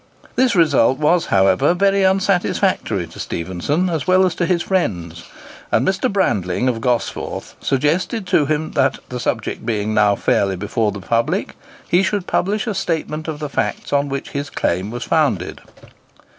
This result was, however very unsatisfactory to Stephenson, as well as to his friends, and Mr. Brandling, of Gosforth, suggested to him that, the subject being now fairly before the public, he should publish a statement of the facts on which his claim was founded.